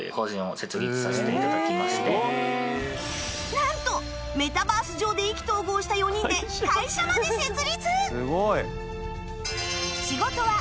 なんとメタバース上で意気投合した４人で会社まで設立！